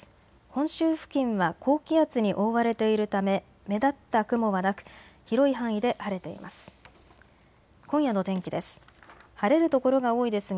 本州付近は高気圧に覆われているため目立った雲はなく広い範囲で晴れています。